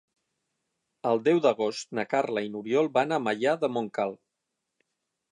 El deu d'agost na Carla i n'Oriol van a Maià de Montcal.